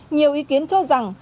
nhiều ý kiến cho rằng